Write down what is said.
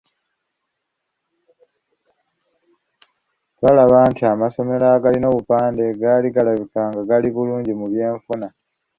Twalaba nti amasomero agalina obupande gaali galabika nga gali bulungi mu byenfuna.